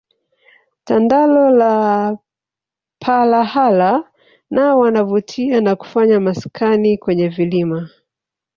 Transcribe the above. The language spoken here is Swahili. Tandala na palahala nao wanavutia na kufanya maskani kwenye vilima